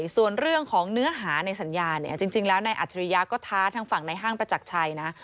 ส่วนเรื่องของเนื้อหาในสัญญาเนี่ยจริงแล้วนายอัจฉริยะก็ท้าทางฝั่งในห้างประจักรชัยนะ